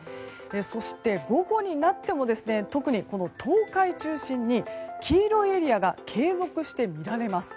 そして、午後になっても特に東海中心に黄色いエリアが継続して見られます。